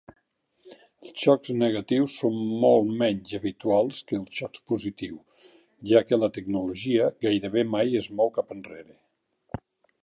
Els xocs negatius són molt menys habituals que els xocs positius ja que la tecnologia gairebé mai es mou cap enrere.